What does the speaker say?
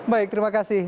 baik terima kasih